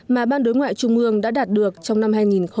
mà ban đối ngoại trung ương đã đạt được trong năm hai nghìn một mươi tám